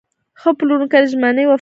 ښه پلورونکی د ژمنې وفادار وي.